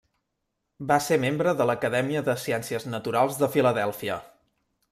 Va ser membre de l'Acadèmia de Ciències Naturals de Filadèlfia.